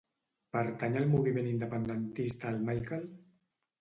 Pertany al moviment independentista el Michael?